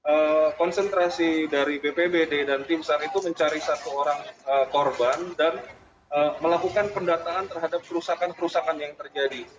hanya saat ini konsentrasi dari bpbd dan timsar itu mencari satu orang korban dan melakukan pendataan terhadap kerusakan kerusakan yang terjadi